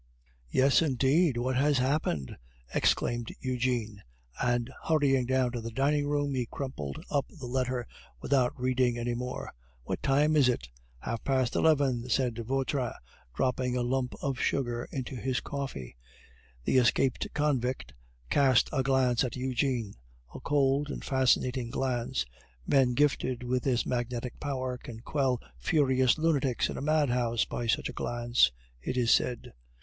"Yes, indeed, what has happened?" exclaimed Eugene, and, hurrying down to the dining room, he crumpled up the letter without reading any more. "What time is it?" "Half past eleven," said Vautrin, dropping a lump of sugar into his coffee. The escaped convict cast a glance at Eugene, a cold and fascinating glance; men gifted with this magnetic power can quell furious lunatics in a madhouse by such a glance, it is said.